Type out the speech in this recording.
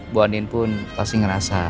bu andien pun pasti ngerasa